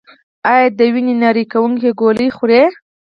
ایا د وینې نری کوونکې ګولۍ خورئ؟